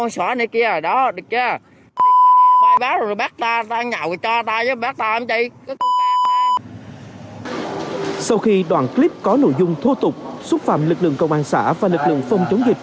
sau khi đoạn clip có nội dung thô tục xúc phạm lực lượng công an xã và lực lượng phòng chống dịch